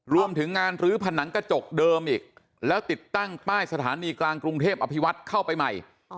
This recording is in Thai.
รวมถึงงานรื้อผนังกระจกเดิมอีกแล้วติดตั้งป้ายสถานีกลางกรุงเทพอภิวัตเข้าไปใหม่